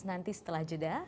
nanti setelah jeda